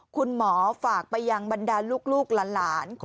คุณหมอฝากไปยังบรรดาลูกหลาน